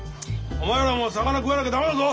お前らも魚食わなきゃ駄目だぞ！